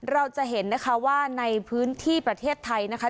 เราจะเห็นนะคะว่าในพื้นที่ประเทศไทยนะคะ